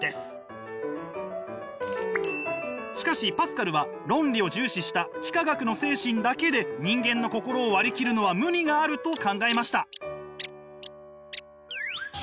しかしパスカルは論理を重視した幾何学の精神だけで人間の心を割り切るのは無理があると考えました。